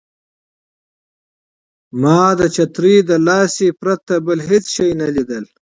ما د چترۍ د لاسۍ پرته بل هېڅ شی نه لیدل.